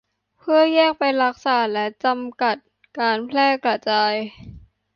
เพื่อแยกไปรักษาและจำกัดการแพร่กระจาย